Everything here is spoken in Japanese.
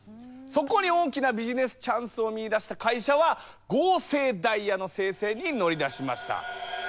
そこに大きなビジネスチャンスを見いだした会社は合成ダイヤの生成に乗り出しました。